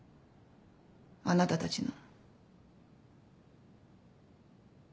あなたたちの。